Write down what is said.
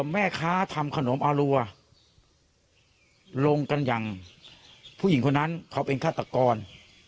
แม่ค้าทำขนมอารัวลงกันอย่างผู้หญิงคนนั้นเขาเป็นฆาตกร